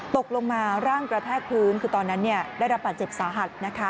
ตกลงมาร่างกระแทกพื้นคือตอนนั้นได้รับบาดเจ็บสาหัสนะคะ